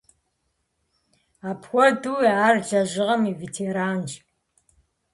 Апхуэдэуи ар лэжьыгъэм и ветеранщ.